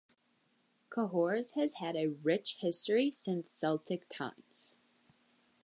Cahors has had a rich history since Celtic times.